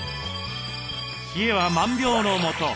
冷えは万病のもと。